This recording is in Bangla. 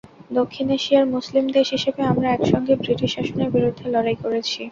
দক্ষিণ এশিয়ার মুসলিম দেশ হিসেবে আমরা একসঙ্গে ব্রিটিশ শাসনের বিরুদ্ধে লড়াই করেছি।